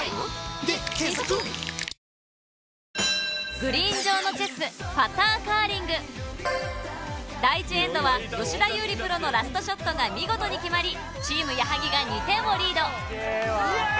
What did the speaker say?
グリーン上のチェス第１エンドは吉田優利プロのラストショットが見事に決まりチーム矢作が２点をリードやった！